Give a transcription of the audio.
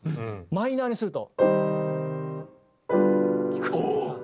マイナーにすると。